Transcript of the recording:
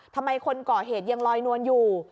ทำไมคนก่อเหตุยังลอยนวลอยู่